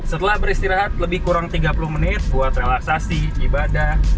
setelah beristirahat lebih kurang tiga puluh menit buat relaksasi ibadah